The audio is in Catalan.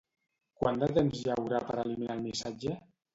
Quant de temps hi haurà per eliminar el missatge?